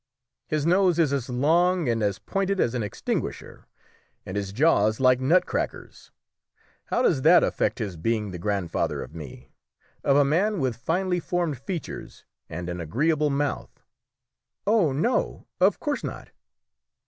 His nose is as long and as pointed as an extinguisher, and his jaws like nutcrackers. How does that affect his being the grandfather of me of a man with finely formed features and an agreeable mouth?" "Oh no! of course not."